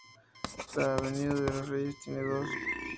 La avenida de los Reyes tiene dos.